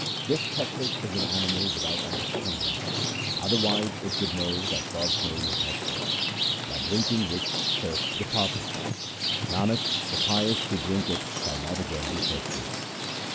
This chatrik is an animal without understanding, other wise it would know That God's name is nectar, by drinking which thirst departeth. Nanak, the pious who drink it shall not again be thirsty.